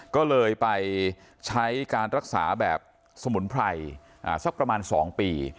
ก็เลยไปใช้การรักษาแบบสมุนไพรสักประมาณ๒ปี